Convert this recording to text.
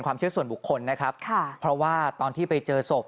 หลังจากพบศพผู้หญิงปริศนาตายตรงนี้ครับ